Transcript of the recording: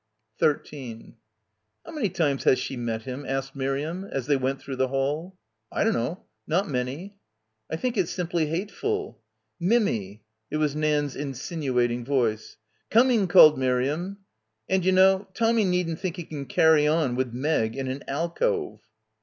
13 "How many times has she met him?" asked Miriam as they went through the hall. "I dunno. Not many," "I think it's simply hateful." — 51 — PILGRIMAGE "Mimmy!" It was Nan's insinuating voice. "Coming," called Miriam. "And, you know, Tommy needn't think he can carry on with Meg in an alcove."